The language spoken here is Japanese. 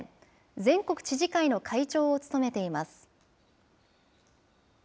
全国知事会の会長を務めています。